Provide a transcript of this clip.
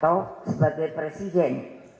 kau sebagai presiden